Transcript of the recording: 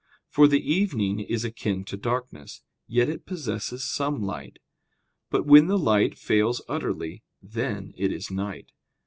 For the evening is akin to darkness, yet it possesses some light: but when the light fails utterly, then it is night.